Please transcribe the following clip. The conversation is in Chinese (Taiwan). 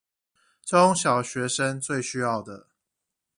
中小學生最需要的